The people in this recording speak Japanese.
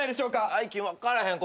代金分からへん